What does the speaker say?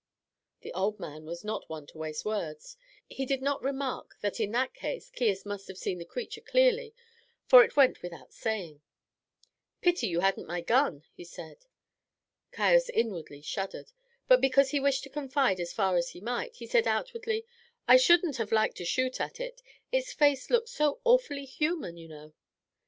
The old man was not one to waste words. He did not remark that in that case Caius must have seen the creature clearly, for it went without saying. "Pity you hadn't my gun," he said. Caius inwardly shuddered, but because he wished to confide as far as he might, he said outwardly: "I shouldn't have liked to shoot at it; its face looked so awfully human, you know."